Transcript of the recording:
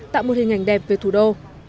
tạo một hình ảnh đẹp về thủ đô